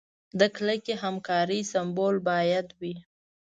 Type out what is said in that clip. د کلکې همکارۍ سمبول باید وي.